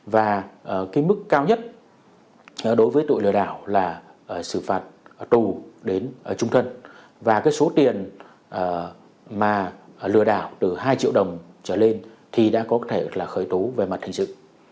và cái mức cao nhất đối với tội lừa đảo là xử phạt tù đến trung thân và cái số tiền mà lừa đảo từ hai triệu đồng trở lên thì đã có thể là khởi tố về mặt hình sự